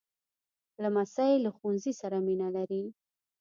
لمسی له ښوونځي سره مینه لري.